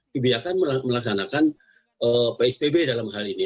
kebijakan melaksanakan psbb dalam hal ini